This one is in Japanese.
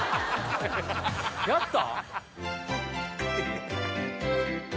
やった？